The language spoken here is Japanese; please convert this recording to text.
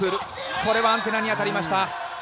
これはアンテナに当たりました。